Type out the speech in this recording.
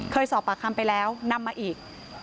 เคยสอบปากคำไปแล้วนำมาอีก